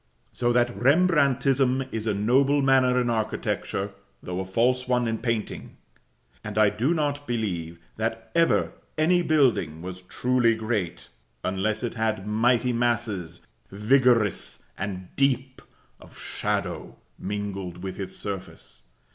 So that Rembrandtism is a noble manner in architecture, though a false one in painting; and I do not believe that ever any building was truly great, unless it had mighty masses, vigorous and deep, of shadow mingled with its surface.